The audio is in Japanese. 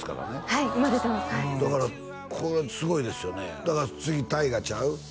はいだからこれすごいですよねだから次大河ちゃう？